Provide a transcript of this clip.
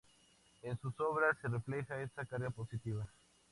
Y en sus obras se refleja esa carga positiva.